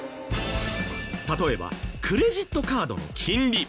例えばクレジットカードの金利